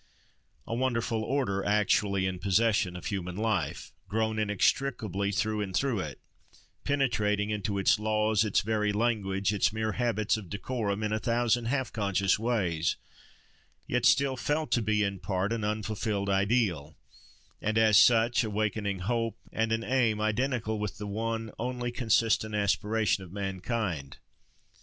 A wonderful order, actually in possession of human life!—grown inextricably through and through it; penetrating into its laws, its very language, its mere habits of decorum, in a thousand half conscious ways; yet still felt to be, in part, an unfulfilled ideal; and, as such, awakening hope, and an aim, identical with the one only consistent aspiration of mankind!